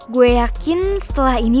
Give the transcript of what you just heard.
gue yakin setelah ini